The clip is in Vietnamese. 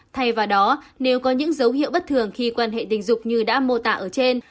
thay vào đó nếu có những dấu hiệu bất thường khi quan hệ tình dục như đã mô tả ở trên